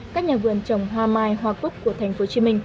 các nhà vườn trồng hoa mai hoa cúc của tp hcm